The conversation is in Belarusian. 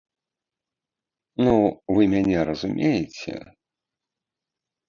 Ну, вы мяне разумееце?